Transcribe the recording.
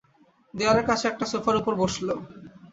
দেয়ালের কাছে একটা সোফার উপরে বসিল।